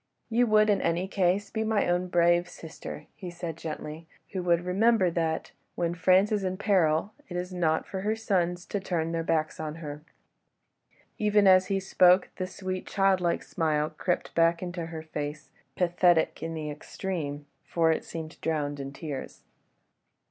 "You would in any case be my own brave sister," he said gently, "who would remember that, when France is in peril, it is not for her sons to turn their backs on her." Even as he spoke, that sweet, childlike smile crept back into her face, pathetic in the extreme, for it seemed drowned in tears.